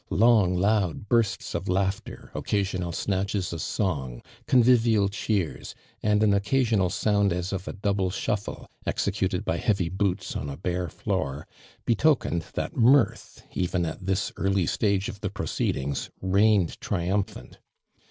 J»ng, loud bursts of laughter, occasional snatches of song, convivial cheers, and an occasional sound as of a double shuffle, executed by heavy boots on a bare floor, betokened that mirth, even at this early sUvge of the proceedings, reigned triumphant.